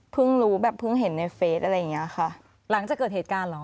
รู้แบบเพิ่งเห็นในเฟสอะไรอย่างเงี้ยค่ะหลังจากเกิดเหตุการณ์เหรอ